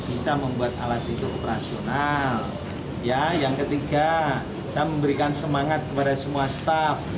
bisa membuat alat hidup rasional ya yang ketiga saya memberikan semangat kepada semua staff